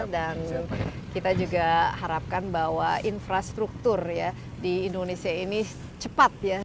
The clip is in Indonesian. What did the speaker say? dan kita juga harapkan bahwa infrastruktur ya di indonesia ini cepat ya